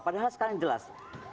padahal sekarang jelas